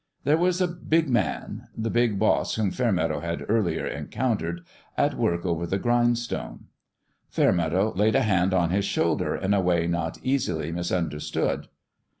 There was a big man the big boss whom Fairmeadow had earlier encountered at work over the grindstone. Fairmeadow laid a hand on his shoulder in a way not easily misunderstood.